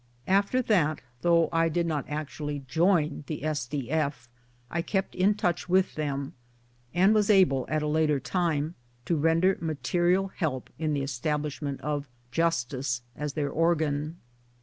After that, though I did not actually join the S.D.F., I kept in touch with them, and was able at a later time to render material help in the establishment of Justice as their organ.